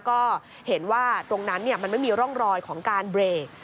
ก็เห็นว่าตรงนั้นมันไม่มีร่องรอยของการเบรก